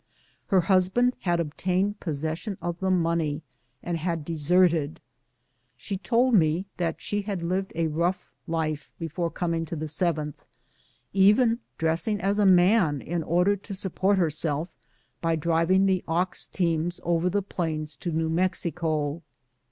Her husband had obtained possession of the money and had deserted. She told me that she had lived a rough life before coming to the 7th, even dressing as a man in order to support herself by driving the ox teams over the plains to Kew Mexico.